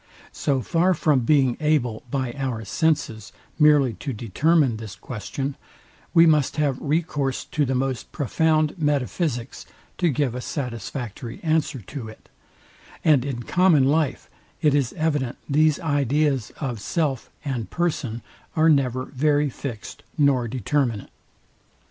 So far from being able by our senses merely to determine this question, we must have recourse to the most profound metaphysics to give a satisfactory answer to it; and in common life it is evident these ideas of self and person are never very fixed nor determinate.